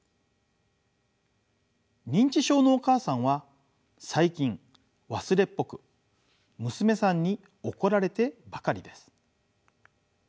認知症のお母さんは最近忘れっぽく娘さんに怒られてばかりです。